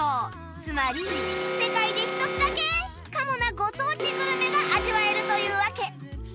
つまり世界で一つだけかもなご当地グルメが味わえるというわけ